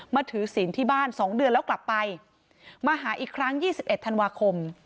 ถือศีลที่บ้าน๒เดือนแล้วกลับไปมาหาอีกครั้ง๒๑ธันวาคม